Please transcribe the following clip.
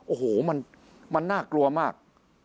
โอ้โหมันน่ากลัวมาก